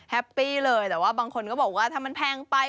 ปี้เลยแต่ว่าบางคนก็บอกว่าถ้ามันแพงไป